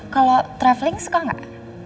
kalau traveling suka gak